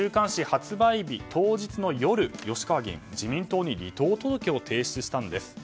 発売日当日の夜吉川議員は自民党に離党届を提出したんです。